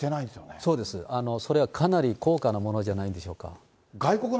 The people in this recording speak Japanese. そうです、これは確かに高価なものじゃないんでしょうか。